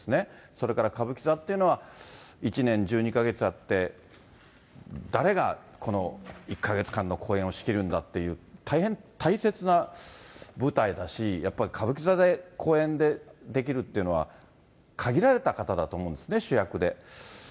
それから歌舞伎座っていうのは、１年１２か月あって、誰がこの１か月間の公演を仕切るんだっていう、大変大切な舞台だし、やっぱり歌舞伎座で、公演でできるってのは、限られた方だと思うんですね、主役で。